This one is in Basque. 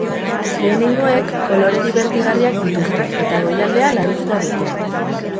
Lehenengoek kolore dibertigarriak dituzte eta goialdea larruzkoa dute.